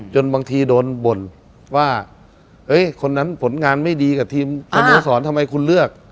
บางทีโดนบ่นว่าคนนั้นผลงานไม่ดีกับทีมสโมสรทำไมคุณเลือก